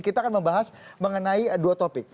kita akan membahas mengenai dua topik